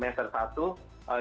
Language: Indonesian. khususnya di semester dua